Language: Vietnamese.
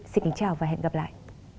xin kính chào và hẹn gặp lại